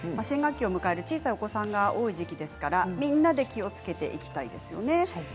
新学期を迎える小さなお子さんが多い時期ですから、みんなで気をつけていきたいですよね。